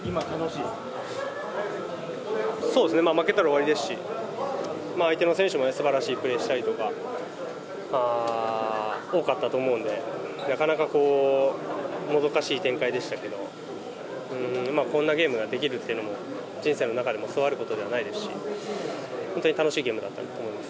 そうですね、負けたら終わりですし、相手の選手もすばらしいプレーしたりとか、多かったと思うんで、なかなかもどかしい展開でしたけど、こんなゲームができるってのも、人生の中でもそうあることではないですし、本当に楽しいゲームだったなと思います。